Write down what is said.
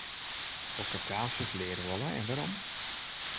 Hokker taal soest leare wolle en wêrom?